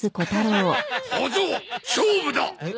小僧勝負だ！